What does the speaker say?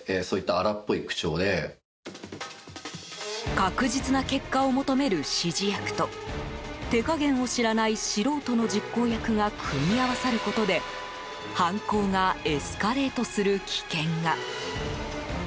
確実な結果を求める指示役と手加減を知らない素人の実行役が組み合わさることで犯行がエスカレートする危険が。